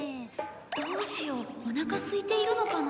どうしようおなかすいているのかな？